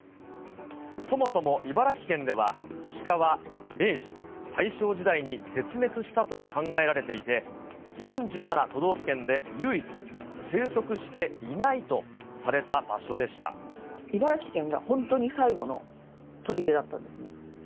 そもそも茨城県ではシカは明治・大正時代に絶滅したと考えられていて、４７都道府県で唯一、生息していないとされた場所でし茨城県が本当に最後のとりでだったんですね。